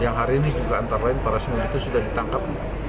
yang hari ini juga antara lain para seni itu sudah ditangkap